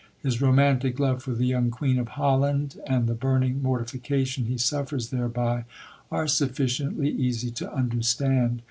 His romantic love for the young queen of Holland and the burning mortification he suffers thereby, are sufficiently easy to understand.